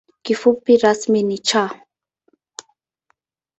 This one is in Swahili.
Kifupi rasmi ni ‘Cha’.